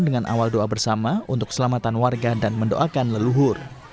dengan awal doa bersama untuk keselamatan warga dan mendoakan leluhur